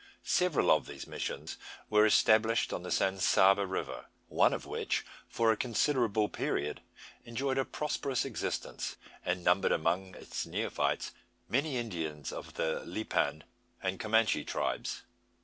Several of these misiones were established on the San Saba river; one of which for a considerable period enjoyed a prosperous existence, and numbered among its neophytes many Indians of the Lipan and Comanche tribes.